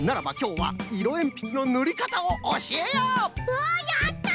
わっやった！